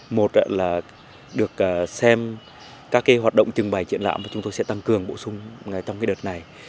một là được xem các hoạt động trưng bày triển lãm và chúng tôi sẽ tăng cường bổ sung trong đợt này